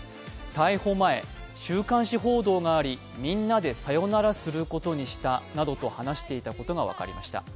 逮捕前、週刊誌報道がありみんなでさよならすることにしたなどと話していたことが分かりました。